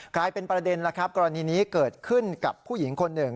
กลายเป็นประเด็นแล้วครับกรณีนี้เกิดขึ้นกับผู้หญิงคนหนึ่ง